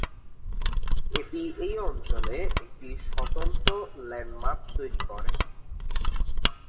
এটি এই অঞ্চলে একটি স্বতন্ত্র ল্যান্ডমার্ক তৈরি করে।